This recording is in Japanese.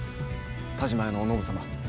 田嶋屋のお信様。